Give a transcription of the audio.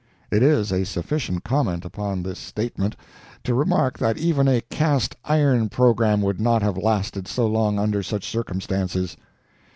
It is a sufficient comment upon this statement to remark that even a cast iron program would not have lasted so long under such circumstances.